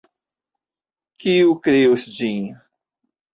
Kiu kreos ĝin?